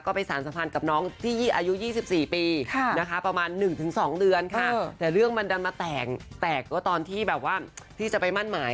ไปสารสัมพันธ์กับน้องที่อายุ๒๔ปีนะคะประมาณ๑๒เดือนค่ะแต่เรื่องมันดันมาแตกก็ตอนที่แบบว่าที่จะไปมั่นหมาย